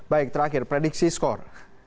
baik terakhir prediksi skor